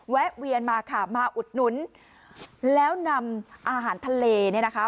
แวะเวียนมาค่ะมาอุดหนุนแล้วนำอาหารทะเลเนี่ยนะคะ